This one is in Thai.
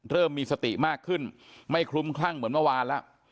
เริ่มมีสติมากขึ้นไม่คลุ้มคลั่งเหมือนเมื่อวานแล้ว